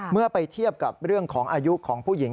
เมื่อไปเทียบกับเรื่องของอายุของผู้หญิง